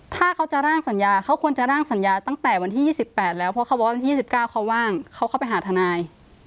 ถ้าเขาจะร่างสัญญาเขาควรจะร่างสัญญาตั้งแต่วันที่๒๘แล้วเพราะเขาบอกว่าวันที่๒๙เขาว่างเขาเข้าไปหาทนาย